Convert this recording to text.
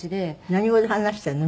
何語で話しているの？